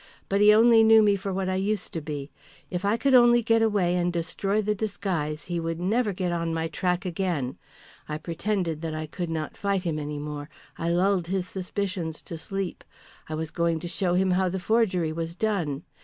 But he only knew me for what I used to be. If I could only get away and destroy the disguise he would never get on my track again. I pretended that I could not fight him any more; I lulled his suspicions to sleep. I was going to show him how the forgery was done.